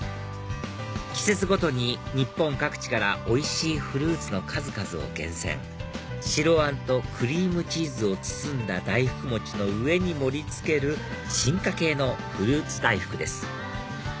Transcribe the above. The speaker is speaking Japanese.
季節ごとに日本各地からおいしいフルーツの数々を厳選白あんとクリームチーズを包んだ大福餅の上に盛り付ける進化系のフルーツ大福です